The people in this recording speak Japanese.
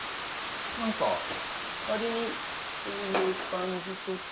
なんか割にこういう感じとか。